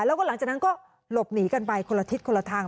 แล้วก็หลังจากนั้นก็หลบหนีกันไปคนละทิศคนละทาง